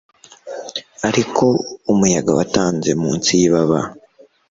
Ariko umuyaga watanze munsi yibaba